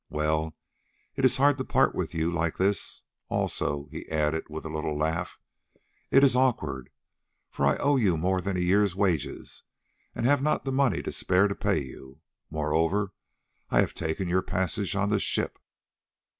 "Well, it is hard to part with you like this. Also," he added with a little laugh, "it is awkward, for I owe you more than a year's wages, and have not the money to spare to pay you. Moreover, I had taken your passage on the ship."